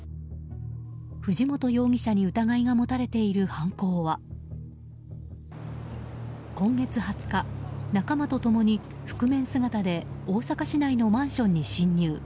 藤本容疑者に疑いが持たれている犯行は今月２０日仲間と共に覆面姿で大阪市内のマンションに侵入。